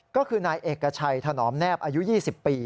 ก็คือนายเอกชัยถนอมแนบอายุ๒๐ปี